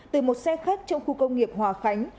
từ một xe khách trong khu công nghiệp hòa khánh